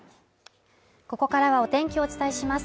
ここからはお天気をお伝えします。